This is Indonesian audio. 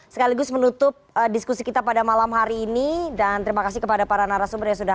sekaligus menutup diskusi kita pada malam hari ini dan terima kasih kepada para narasumber yang sudah